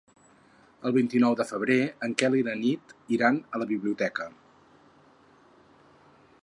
El vint-i-nou de febrer en Quel i na Nit iran a la biblioteca.